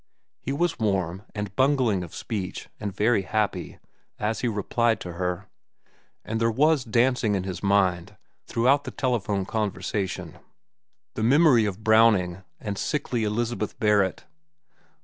He was warm, and bungling of speech, and very happy, as he replied to her, and there was dancing in his mind, throughout the telephone conversation, the memory of Browning and of sickly Elizabeth Barrett.